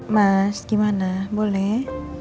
mas gimana boleh